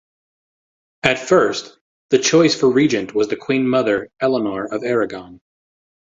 At first, the choice for regent was the Queen mother Eleanor of Aragon.